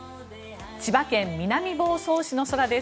千葉県南房総市の空です。